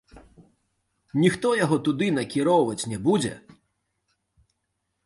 Ніхто яго туды накіроўваць не будзе!